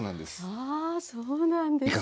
あそうなんですか。